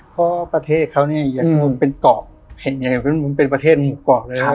เพราะประเทศเขาเนี่ยอย่างเป็นเกาะอย่างเป็นประเทศหมุกเกาะเลย